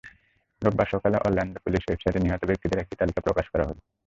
রোববার সকালে Orlando police ওয়েবসাইটে নিহত ব্যক্তিদের একটি তালিকা প্রকাশ করা হলো।